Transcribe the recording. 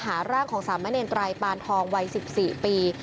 หาร่างของสามเณรไตรปานทองวัย๑๔ปี